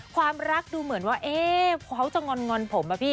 ความรักดูเหมือนว่าเขาจะงอนผมอะพี่